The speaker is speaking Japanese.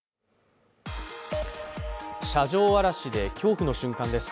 車上荒らしで恐怖の瞬間です。